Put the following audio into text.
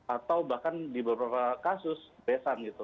atau bahkan di beberapa kasus bebas